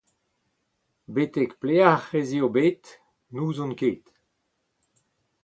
Betek pelec’h ez eo bet ? n’ouzon ket.